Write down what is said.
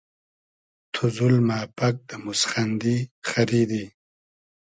تو زولمۂ پئگ دۂ موسخیندی خئریدی